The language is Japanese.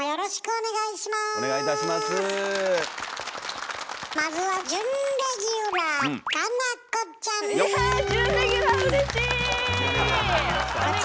お願いします。